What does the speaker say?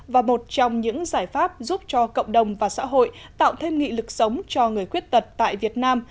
và một trong những giải pháp giúp cho cộng đồng và xã hội tạo thêm nghị lực sống cho người khuyết tật tại việt nam